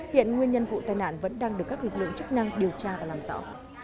hiện nguyên nhân vụ tai nạn vẫn đang được các lực lượng chức năng điều tra và làm rõ